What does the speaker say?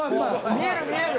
見える見える。